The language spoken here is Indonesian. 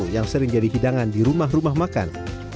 yang sering jadi hidangan di rumah rumah makan